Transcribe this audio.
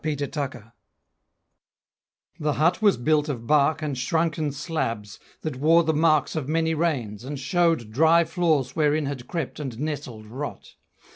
A Death in the Bush The hut was built of bark and shrunken slabs, That wore the marks of many rains, and showed Dry flaws wherein had crept and nestled rot.